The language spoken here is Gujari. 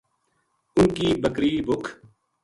اِنھ کی بکری بھُکھ